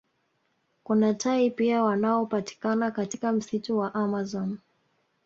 Kuna tai pia wanaopatikana katika msitu wa amazon